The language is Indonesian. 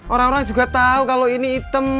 orang orang juga tau kalo ini hitam